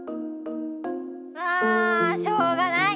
あしょうがない。